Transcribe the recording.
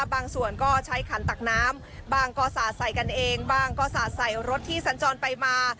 บางส่วนก็ใช้ขันตักน้ำบ้างก็สาดใส่กันเองบ้างก็สาดใส่รถที่สัญจรไปมา